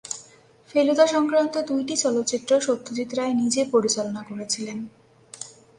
ফেলুদা সংক্রান্ত দুইটি চলচ্চিত্র সত্যজিৎ রায় নিজে পরিচালনা করেছিলেন।